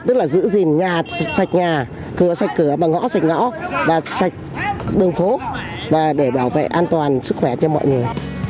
tức là giữ gìn nhà sạch nhà cửa sạch cửa bằng ngõ sạch ngõ và sạch đường phố và để bảo vệ an toàn sức khỏe cho mọi người